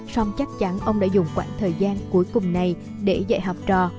xong chắc chắn ông đã dùng khoảng thời gian cuối cùng này để dạy học trò